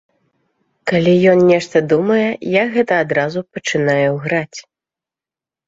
Калі ён нешта думае, я гэта адразу пачынаю граць.